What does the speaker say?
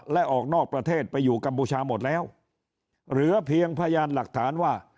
และออกนอกประเทศไปอยู่กัมพูชาหมดแล้วเหลือเพียงพยานหลักฐานว่า